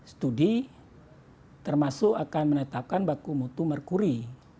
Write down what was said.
studi termasuk akan menetapkan baku mutu merkuri